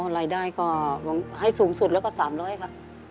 รายได้ก็ให้สูงสุดแล้วก็๓๐๐ค่ะ